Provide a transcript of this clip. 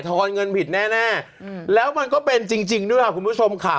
อนเงินผิดแน่แล้วมันก็เป็นจริงด้วยค่ะคุณผู้ชมค่ะ